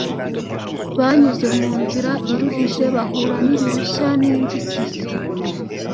Banyuze mu nzira iruhije, bahura n’ibirushya n’inzitizi